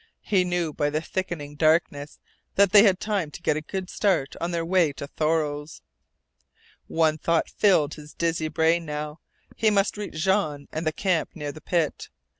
He knew by the thickening darkness that they had time to get a good start on their way to Thoreau's. One thought filled his dizzy brain now. He must reach Jean and the camp near the pit.